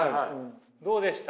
どうでした？